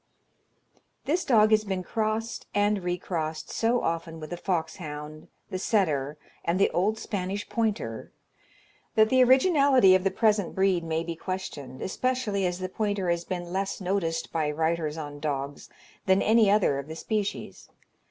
This dog has been crossed and re crossed so often with the fox hound, the setter, and the old Spanish pointer, that the originality of the present breed may be questioned, especially as the pointer has been less noticed by writers on dogs than any other of the species.